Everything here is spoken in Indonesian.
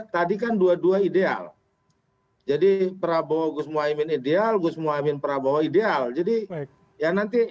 tadi kan dua dua ideal jadi prabowo gus mohaimin ideal gus muhaimin prabowo ideal jadi ya nanti